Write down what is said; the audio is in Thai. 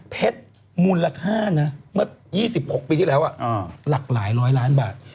เพชรมูลค่า๒๖ปีที่แล้วอะหลากหลายร้อยล้านบาท